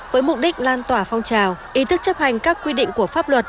với mục đích lan tỏa phong trào ý thức chấp hành các quy định của pháp luật